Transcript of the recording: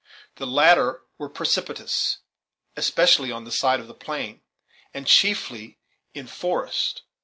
The latter were precipitous, especially on the side of the plain, and chiefly in forest.